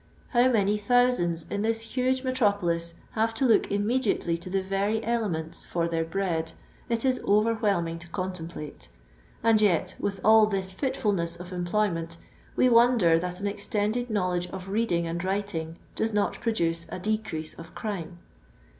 How many thousands in this huge metropolis have to look immediately to the very elements for their bread, it is overwhelming to contemplate; and yet, with all this fitlulness of employment we wonder that an extended knowledge of reading and writing does not produce a decrease of crime